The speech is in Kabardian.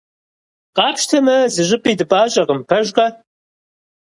Къапщтэмэ, зыщӀыпӀи дыпӀащӀэкъым, пэжкъэ?!